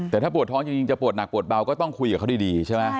แต่ถ้าปวดท้องจริงจะปวดหนักปวดเบาก็ต้องคุยกับเขาดีใช่ไหม